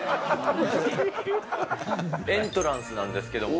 エントランスなんですけど。